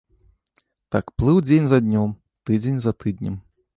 Так плыў дзень за днём, тыдзень за тыднем.